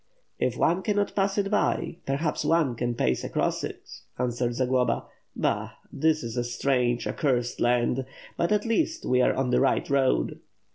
"If one cannot pass it by, perhaps one can pacs across it," answered Zagloba. "Bah! this is a strange, accursed land; but at least we are on the right road."